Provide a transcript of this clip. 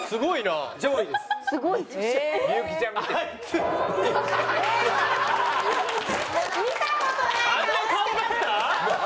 あんな顔だった？